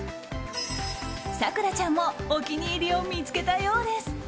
咲楽ちゃんもお気に入りを見つけたようです。